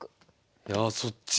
いやあそっちに？